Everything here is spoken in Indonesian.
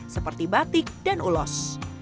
seperti batik dan ulos